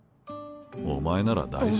お前なら大丈夫。